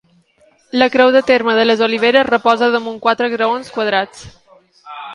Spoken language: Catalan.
La creu de terme de les Oliveres reposa damunt quatre graons quadrats.